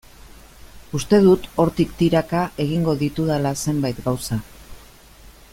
Uste dut hortik tiraka egingo ditudala zenbait gauza.